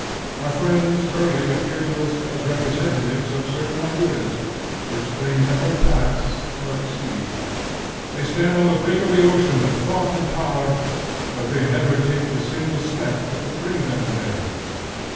Our friends early appear to us as representatives of certain ideas which they never pass or exceed. They stand on the brink of the ocean of thought and power, but they never take the single step that would bring them there.